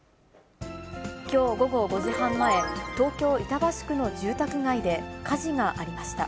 きょう午後５時半前、東京・板橋区の住宅街で火事がありました。